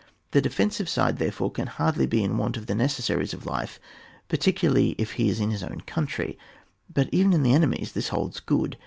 The defensive side therefore can hardly be in want of the necessaries of life, particularly if he is in his own country; but even in the enemy's this holds good.